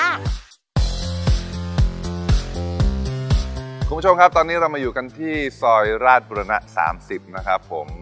คุณผู้ชมครับตอนนี้เรามาอยู่กันที่ซอยราชบุรณะ๓๐นะครับผม